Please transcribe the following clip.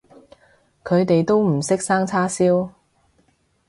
佢哋都唔識生叉燒